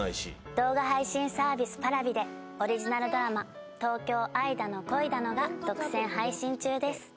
動画配信サービスＰａｒａｖｉでオリジナルドラマ「東京、愛だの、恋だの」が独占配信中です